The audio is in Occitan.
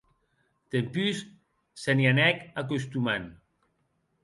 Dempús se i anèc acostumant.